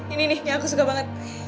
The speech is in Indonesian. ini nih aku suka banget